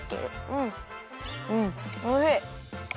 うんうんおいしい！